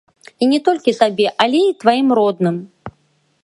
І не толькі табе, але і тваім родным.